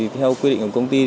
theo quy định của công ty